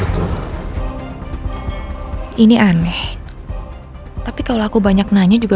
terima kasih ma